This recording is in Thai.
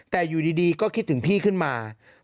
แต่อยู่ดีก็คิดถึงพี่ขึ้นมา